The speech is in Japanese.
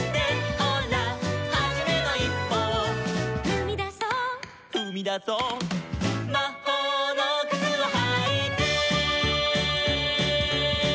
「ほらはじめのいっぽを」「ふみだそう」「ふみだそう」「まほうのくつをはいて」